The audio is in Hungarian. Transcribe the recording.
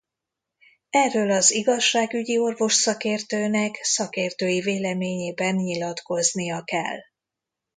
Erről az igazságügyi orvosszakértőnek szakértői véleményében nyilatkoznia kell.